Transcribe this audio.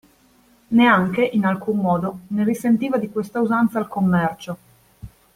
Neanche, in alcun modo, ne risentiva di questa usanza il commercio.